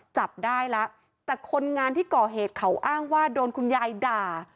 จับได้แล้วแต่คนงานที่ก่อเหตุเขาอ้างว่าโดนคุณยายด่า